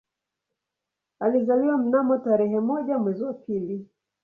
Alizaliwa mnamo tarehe moja mwezi wa pili